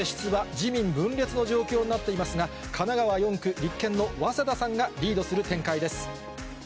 自民分裂の状況になっていますが、神奈川４区、立憲の早稲田さんがリードする展開です。